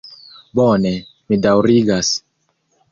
Bone, mi daŭrigas.